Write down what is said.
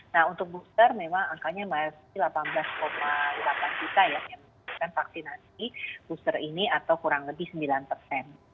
nah untuk booster memang angkanya masih delapan belas delapan juta ya yang membutuhkan vaksinasi booster ini atau kurang lebih sembilan persen